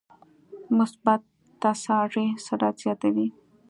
مثبت تسارع سرعت زیاتوي.